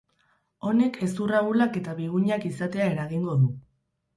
Honek, hezur ahulak eta bigunak izatea eragingo du.